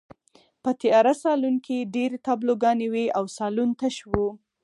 په تیاره سالون کې ډېرې تابلوګانې وې او سالون تش و